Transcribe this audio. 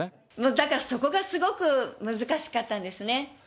だからそこがすごく難しかったんですね。